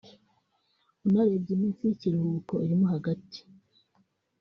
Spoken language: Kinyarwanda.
unarebye iminsi y’ikiruhuko irimo hagati